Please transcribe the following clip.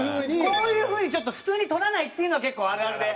こういう風にちょっと普通にとらないっていうのは結構あるあるで。